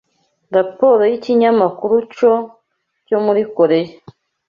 Raporo y’ikinyamakuru Cho cyo muri Koreya